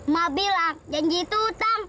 ma bilang janji itu utang